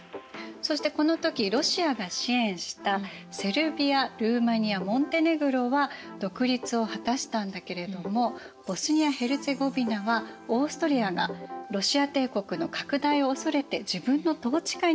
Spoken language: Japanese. そしてこの時ロシアが支援したセルビアルーマニアモンテネグロは独立を果たしたんだけれどもボスニア＝ヘルツェゴヴィナはオーストリアがロシア帝国の拡大を恐れて自分の統治下に置いたのよね。